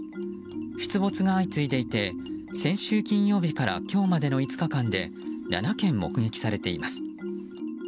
出没が相次いでいて先週金曜日から今日までの５日間で７件目撃されています。